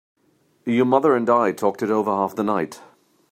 Your mother and I talked it over half the night.